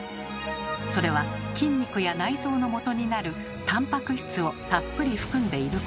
それは筋肉や内臓のもとになるタンパク質をたっぷり含んでいること。